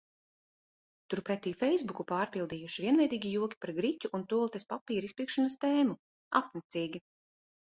Turpretī feisbuku pārpildījuši vienveidīgi joki par griķu un tualetes papīra izpirkšanas tēmu. Apnicīgi.